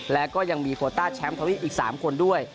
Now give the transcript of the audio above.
และก็ยังมีโคต้าแชมป์ทวีปอีก๓คนด้วย